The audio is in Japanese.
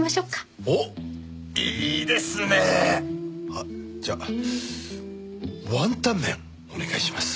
あっじゃあワンタン麺お願いします。